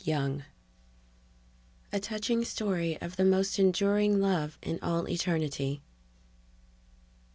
YOUNG _A touching story of the most enduring love in all eternity.